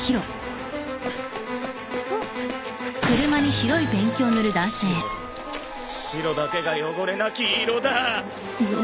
白だ白だけが汚れなき色だ！